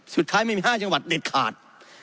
สุดท้ายไม่มี๕จังหวัดเด็ดขาด